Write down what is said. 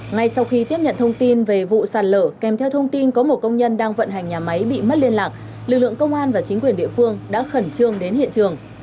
ngay sau khi tiếp nhận thông tin về vụ sạt lở kèm theo thông tin có một công nhân đang vận hành nhà máy bị mất liên lạc lực lượng công an và chính quyền địa phương đã khẩn trương đến hiện trường